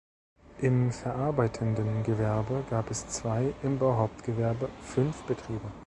Im verarbeitenden Gewerbe gab es zwei, im Bauhauptgewerbe fünf Betriebe.